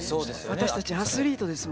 私たちアスリートですもんね。